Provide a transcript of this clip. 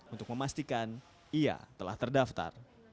untuk memastikan ia telah terdaftar